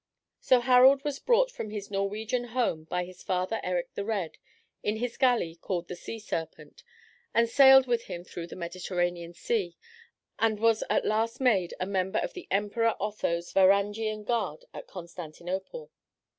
So Harald was brought from his Norwegian home by his father Erik the Red, in his galley called the Sea serpent, and sailed with him through the Mediterranean Sea, and was at last made a member of the Emperor Otho's Varangian Guard at Constantinople.